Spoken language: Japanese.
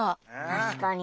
確かに。